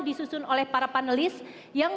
disusun oleh para panelis yang